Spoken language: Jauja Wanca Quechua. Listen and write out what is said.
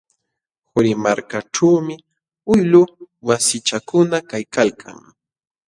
Qurimarkaćhuumi uylu wasichakuna kaykalkan.